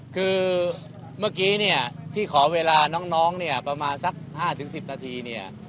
คือเมื่อกี้ที่ขอเวลาน้องประมาณสักห้าถึงสิบนาทีเนี่ย